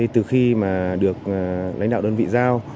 từ khi được lãnh đạo đơn vị giao